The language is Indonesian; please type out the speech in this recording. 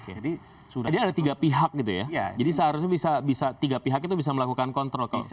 jadi ada tiga pihak gitu ya jadi seharusnya bisa tiga pihak itu bisa melakukan kontrol